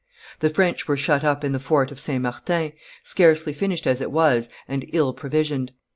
The French were shut up in the Fort of St. Martin, scarcely finished as it was, and ill provisioned.